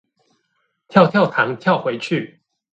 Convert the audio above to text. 跳跳糖跳回去